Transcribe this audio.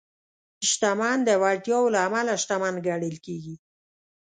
شتمن د وړتیاوو له امله شتمن ګڼل کېږي.